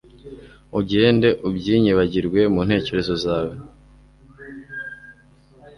ugende ubyinyibagirwe mu ntekerezo zawe